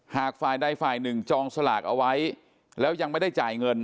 หากฝ่ายใดฝ่ายหนึ่งจองสลากเอาไว้แล้วยังไม่ได้จ่ายเงิน